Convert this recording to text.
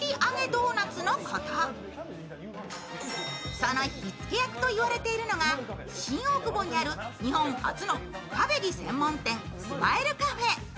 その火付け役と言われているのが、新大久保にある日本初のクァベギ専門店、スマイルカフェ。